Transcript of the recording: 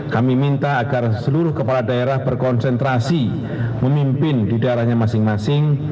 kami minta agar seluruh kepala daerah berkonsentrasi memimpin di daerahnya masing masing